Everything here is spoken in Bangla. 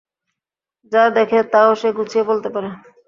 যা দেখে তাও সে গুছিয়ে বলতে পারে।